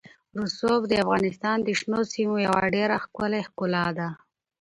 رسوب د افغانستان د شنو سیمو یوه ډېره ښکلې ښکلا ده.